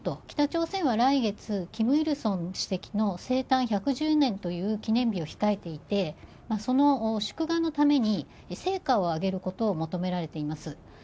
北朝鮮は来月、金日成主席の生誕１１０年という記念日を控えていてその祝賀のために成果を上げることを求められています。